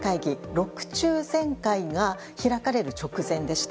６中全会が開かれる直前でした。